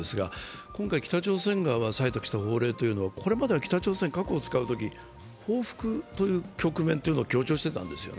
今回、北朝鮮が採択した法令というのはこれまでは北朝鮮、核を使うとき報復という局面というのを強調していたんですよ。